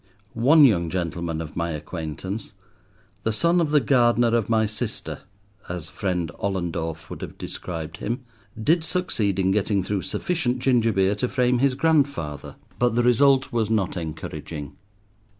One young gentleman of my acquaintance—the son of the gardener of my sister, as friend Ollendorff would have described him—did succeed in getting through sufficient ginger beer to frame his grandfather, but the result was not encouraging.